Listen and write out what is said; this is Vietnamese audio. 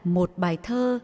một bài thơ